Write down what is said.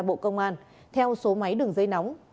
bộ công an theo số máy đường dây nóng